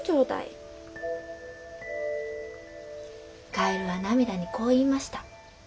カエルはナミダにこう言いました。